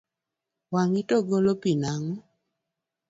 Wang’i to golo pi nang’o?